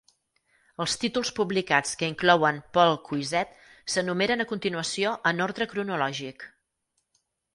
Els títols publicats que inclouen Paul Cuisset s'enumeren a continuació en ordre cronològic.